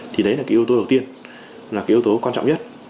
thì đấy là cái yếu tố đầu tiên là cái yếu tố quan trọng nhất